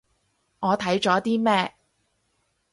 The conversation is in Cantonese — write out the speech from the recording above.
我睇咗啲咩